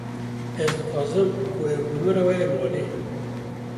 Ez dixwazim, ku ew bi min re were malê